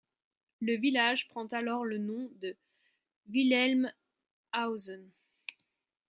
Le village prend alors le nom de Wilhelmshausen.